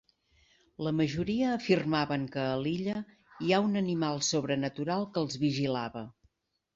La majoria afirmaven que a l'illa hi ha un animal sobrenatural, que els vigilava.